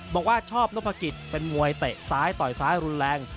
บอกว่าชอบนพกิจเป็นมวยเตะซ้ายต่อยซ้ายรุนแรง